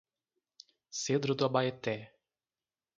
Cedro do Abaeté